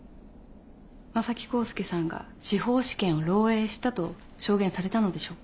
正木浩介さんが司法試験を漏えいしたと証言されたのでしょうか？